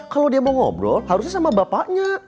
kalau dia mau ngobrol harusnya sama bapaknya